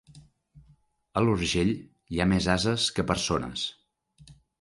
A l'Urgell, hi ha més ases que persones.